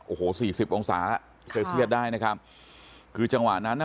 โอ้โห๔๐องศาเสียเสียได้นะครับคือจังหวะนั้นน่ะ